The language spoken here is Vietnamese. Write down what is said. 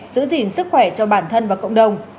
giữ gìn sức khỏe cho bản thân và cộng đồng